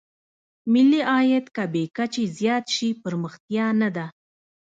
ملي عاید که بې کچې زیات شي پرمختیا نه ده.